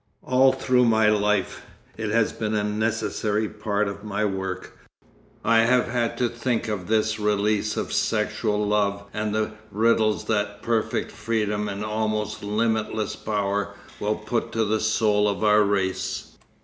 'All through my life—it has been a necessary part of my work—I have had to think of this release of sexual love and the riddles that perfect freedom and almost limitless power will put to the soul of our race.